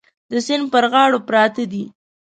د سیند پر غاړو پراته دي.